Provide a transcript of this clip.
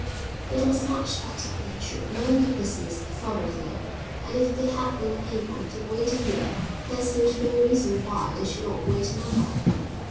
It was much better that he should learn the business thoroughly, and if they had been able to wait a year there seemed no reason why they should not wait another.